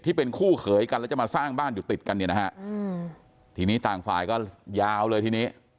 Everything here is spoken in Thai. ที่เป็นคู่เขยกันแล้วจะมาสร้างบ้านอยู่ติดกันเนี่ยนะฮะอืมทีนี้ต่างฝ่ายก็ยาวเลยทีนี้